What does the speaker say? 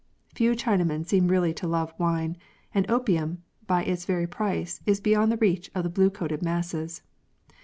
Few Chinamen seem really to love wine, and opium, by its very price, is beyond the reach of the blue coated masses.